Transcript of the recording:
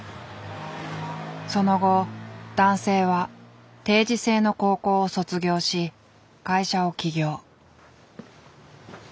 その後男性は定時制の高校を卒業し会社を起業。